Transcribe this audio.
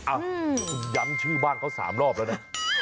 ย้ำชื่อบ้านเขา๓รอบแล้วนะ